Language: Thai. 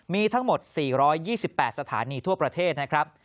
มีทั้งหมด๔๒๘สถานีทั่วประเทศนะครับ